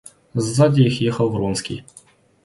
Сзади их ехал Вронский.